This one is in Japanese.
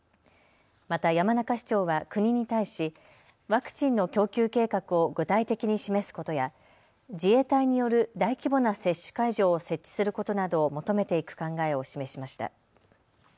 また山中市長は国に対しワクチンの供給計画を具体的に示すことや自衛隊による大規模な接種会場を設置することなどを求めていく考えを示しました。